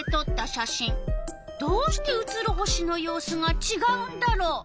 どうして写る星の様子がちがうんだろう？